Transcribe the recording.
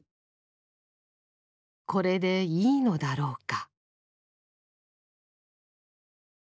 これでいいのだろうか。